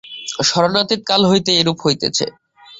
স্মরণাতীত কাল হইতেই এইরূপ হইতেছে।